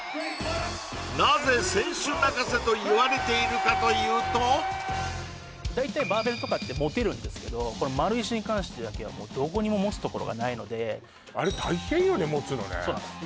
なぜ選手泣かせといわれているかというと大体バーベルとかって持てるんですけど丸石に関してだけはどこにも持つところがないのであれ大変よね持つのねそうなんです